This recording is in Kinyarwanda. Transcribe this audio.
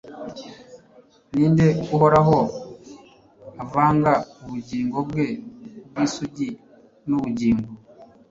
ninde uhoraho avanga ubugingo bwe bwisugi nubugingo